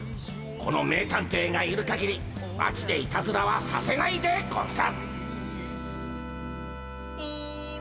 この名探偵がいるかぎり町でいたずらはさせないでゴンス。